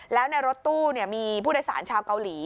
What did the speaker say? แล้วในรถตู้มีผู้โดยสารชาวเกาหลี